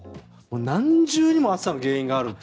何重にも暑さの原因があると。